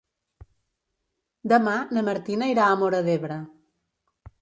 Demà na Martina irà a Móra d'Ebre.